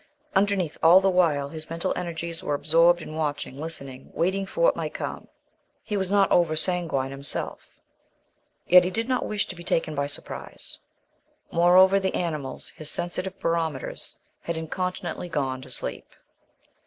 Underneath, all the while, his mental energies were absorbed in watching, listening, waiting for what might come. He was not over sanguine himself, yet he did not wish to be taken by surprise. Moreover, the animals, his sensitive barometers, had incontinently gone to sleep.